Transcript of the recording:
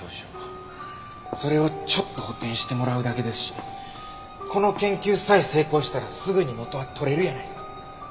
それをちょっと補填してもらうだけですしこの研究さえ成功したらすぐに元は取れるやないですか。